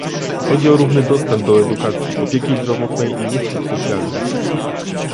Chodzi o równy dostęp do edukacji, opieki zdrowotnej i usług socjalnych